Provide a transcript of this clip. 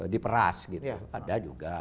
di peras gitu ada juga